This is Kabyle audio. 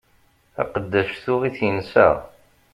Aqeddac tuɣ-it insa.